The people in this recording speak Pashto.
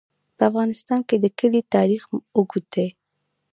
په افغانستان کې د کلي تاریخ اوږد دی.